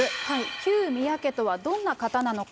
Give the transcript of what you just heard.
旧宮家とはどんな方なのか。